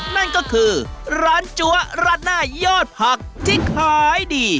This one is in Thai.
นั่นก็คือร้านจั๊วราดหน้ายอดผักที่ขายดี